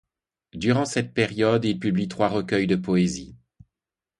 Durant cette période, il publie trois recueils de poésie.